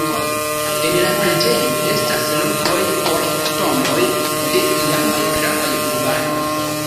En la preĝejo estas lokoj por tomboj de iamaj gravaj urbanoj.